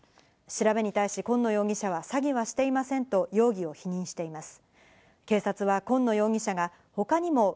調べに対し、紺野容疑者は詐欺はしていませんと容疑を否認していお天気です。